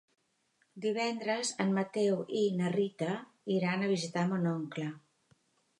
Divendres en Mateu i na Rita iran a visitar mon oncle.